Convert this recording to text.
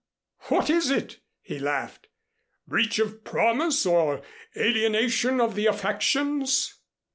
What is it?" he laughed. "Breach of promise or alienation of the affections?"